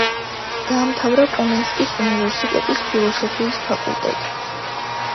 დაამთავრა კომენსკის უნივერსიტეტის ფილოსოფიის ფაკულტეტი.